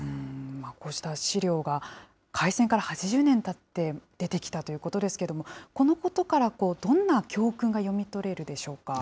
こうした資料が開戦から８０年たって出てきたということですけれども、このことからどんな教訓が読み取れるでしょうか。